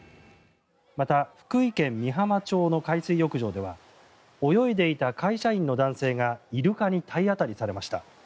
また、福井県美浜町の海水浴場では泳いでいた会社員の男性がイルカに体当たりされました。